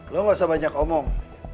lo gak usah banyak omong